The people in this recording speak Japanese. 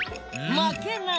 負けない。